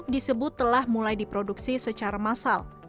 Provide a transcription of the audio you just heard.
disebut telah mulai diproduksi secara massal